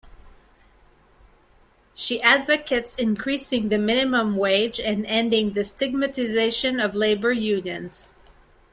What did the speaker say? She advocates increasing the minimum wage and ending the stigmatization of labor unions.